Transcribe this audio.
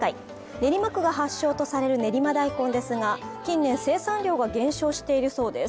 練馬区が発祥とされる練馬大根ですが近年、生産量が減少しているそうです。